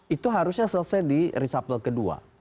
itu harusnya selesai di reshuffle kedua